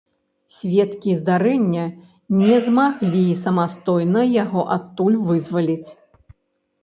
Сведкі здарэння не змаглі самастойна яго адтуль вызваліць.